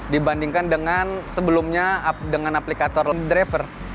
dibandingkan dengan sebelumnya dengan aplikator driver